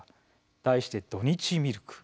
題して「土日ミルク」。